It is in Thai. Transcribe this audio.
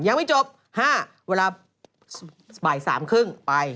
ยังไม่จบ๕เวลาบ่าย๓๓๐ไป